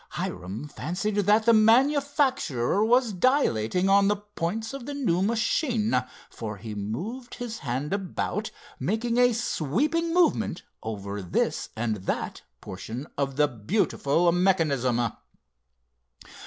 Hiram fancied that the manufacturer was dilating on the points of the new machine, for he moved his hand about, making a sweeping movement over this and that portion of the beautiful mechanism.